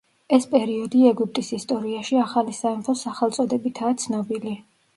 ეს პერიოდი ეგვიპტის ისტორიაში ახალი სამეფოს სახელწოდებითაა ცნობილი.